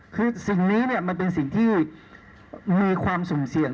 คือสิ่งนี้มันเป็นสิ่งที่มีความสุ่มเสี่ยง